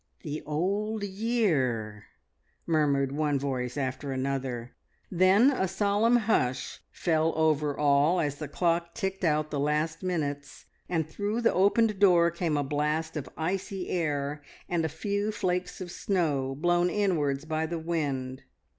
"The Old Year," murmured one voice after another. Then a solemn hush fell over all as the clock ticked out the last minutes, and through the opened door came a blast of icy air and a few flakes of snow, blown inwards by the wind.